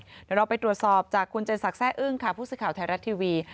เดี๋ยวเราไปตรวจสอบจากคุณเจนสักแร่อึ้งค่ะผู้สื่อข่าวไทยรัฐทีวี